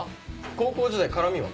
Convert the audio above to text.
高校時代絡みは？